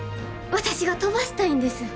私が飛ばしたいんです。